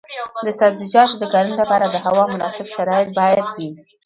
د سبزیجاتو د کرنې لپاره د هوا مناسب شرایط باید وي.